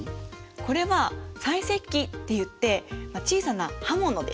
これは細石器っていってまあ小さな刃物です。